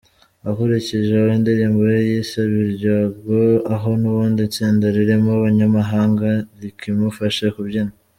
Akurikijeho indirimbo ye yise Biryogo aho n’ubundi itsinda ririmo abanyamahanga rikimufasha kubyina.